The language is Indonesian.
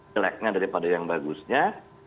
jeleknya daripada yang bagusnya